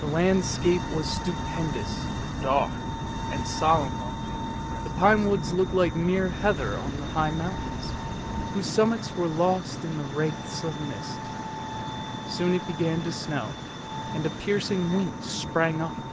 The landscape was stupendous, dark, and solemn. The pine woods looked like mere heather on the high mountains, whose summits were lost in wreaths of mist. Soon it began to snow, and a piercing wind sprang up.